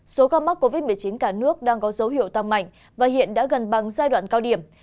số ca mắc covid một mươi chín cả nước đang có dấu hiệu tăng mạnh và hiện đã gần bằng giai đoạn cao điểm